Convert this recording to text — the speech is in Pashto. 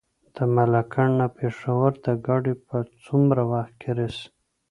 د ملاکنډ نه پېښور ته ګاډی په څومره وخت کې رسي؟